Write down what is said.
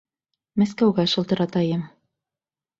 Мәскәүгә шылтыратайым.